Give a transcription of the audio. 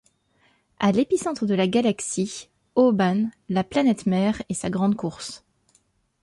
À l'épicentre de la galaxie, Ōban la planète mère et sa grande course.